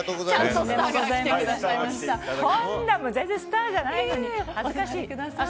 そんな全然スターじゃないのに。